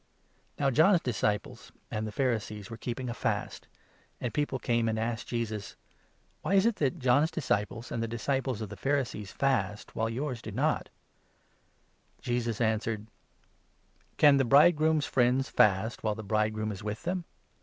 Now John's disciples and the Pharisees were 18 Tb*am«d' for* keeping a fast, and people came and asked Jesus : not observing "Why is it that John's disciples and the the Law. disciples of the Pharisees fast, while yours do .,*)* not ?" Jesus answered : 19 "Can the bridegroom's friends fast, while the bridegroom is with them